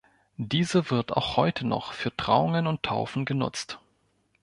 Diese wird auch heute noch für Trauungen und Taufen genutzt.